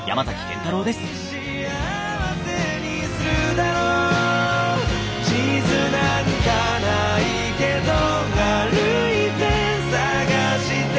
「君を笑顔に幸せにするだろう」「地図なんかないけど歩いて探して」